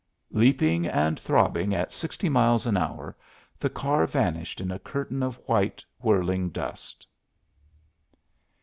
Leaping and throbbing at sixty miles an hour, the car vanished in a curtain of white, whirling dust.